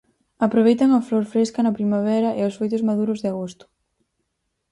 Aproveitan a flor fresca na primavera e os froitos maduros de agosto.